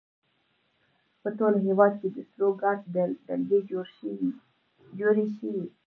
په ټول هېواد کې د سور ګارډ ډلګۍ جوړې شوې.